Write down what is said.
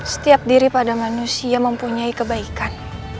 setiap diri pada manusia mempunyai kebaikan